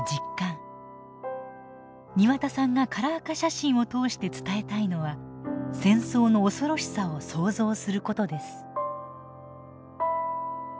庭田さんがカラー化写真を通して伝えたいのは戦争の恐ろしさを想像することです。